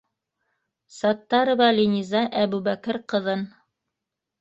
-Саттарова Линиза Әбүбәкер ҡыҙын.